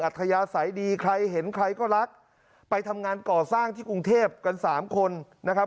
ธยาศัยดีใครเห็นใครก็รักไปทำงานก่อสร้างที่กรุงเทพกันสามคนนะครับ